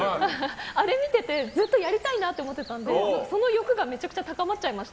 あれ見てて、ずっとやりたいなと思っていたのでその欲がめちゃくちゃ高まっちゃいました。